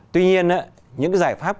tuy nhiên những cái giải pháp